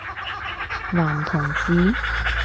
男同志？